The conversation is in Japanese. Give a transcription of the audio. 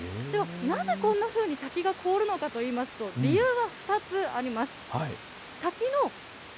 ではなぜこんなふうに滝が凍るのかといいますと、理由は２つあります。